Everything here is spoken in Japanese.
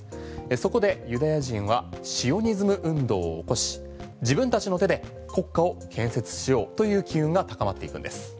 そこでユダヤ人はシオニズム運動起こし自分たちの手で国家を建設しようという機運が高まっていくんです。